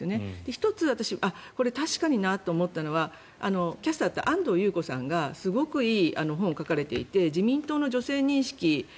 １つ、私これ確かになと思ったのはキャスターだった安藤優子さんがすごくいい本を書かれていて自民党の女性認識